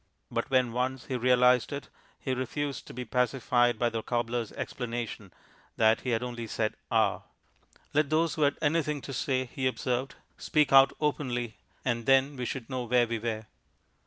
But when once he realized it, he refused to be pacified by the cobbler's explanation that he had only said "Ah!" Let those who had anything to say, he observed, speak out openly, and then we should know where we were.